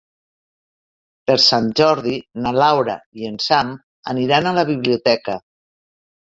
Per Sant Jordi na Laura i en Sam aniran a la biblioteca.